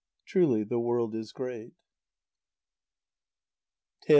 Truly the world is great.